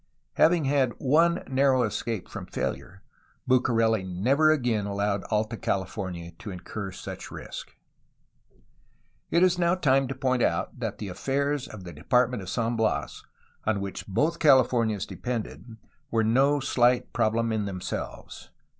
Having had one narrow escape from failure Bucareli never again allowed Alta California to incur such risk. It is now time to point out that the affairs of the Department of San Bias, on which both Californias depended, were no slight problem in themselves.